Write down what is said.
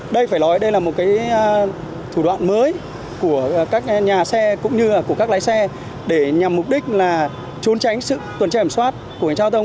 đây phải nói đây là một cái thủ đoạn mới của các nhà xe cũng như là của các lái xe để nhằm mục đích là trốn tránh sự tuần trẻ ẩm soát của cảnh sát giao thông